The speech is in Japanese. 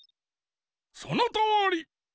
そのとおり！